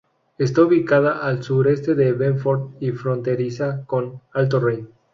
Está ubicada a al sureste de Belfort y fronteriza con Alto Rin.